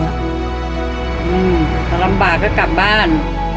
อืมถ้ารำบากก็กลับบ้าน